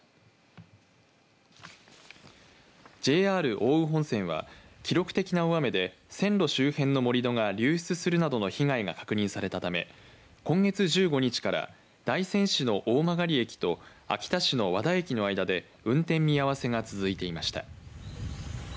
奥羽本線は記録的な大雨で線路周辺の盛り土が流出するなどの被害が確認されたため今月１５日から大仙市の大曲駅と秋田市の和田駅の間で運転見合わせが続いていました。